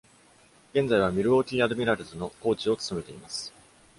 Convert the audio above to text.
現在は Milwaukee Admirals のコーチを務めています。